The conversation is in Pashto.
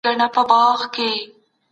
د هند چای څنګه په افغانستان کي دود سوې؟